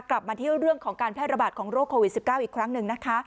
กลับมาที่เรื่องของการแพร่ระบาดของโรคโควิด๑๙อีกครั้งหนึ่งนะคะ